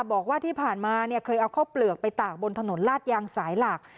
บอกว่าที่ผ่านมาเนี่ยเคยเอาข้าวเปลือกไปตากบนถนนลาดยางสายหลัก